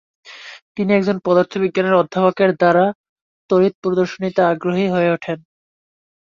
তিনি একজন পদার্থ বিজ্ঞানের অধ্যাপকের দ্বারা তড়িৎ প্রদর্শনীতে আগ্রহী হয়ে ওঠেন।